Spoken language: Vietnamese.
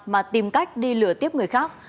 mà tìm cách đi lừa tiếp người khác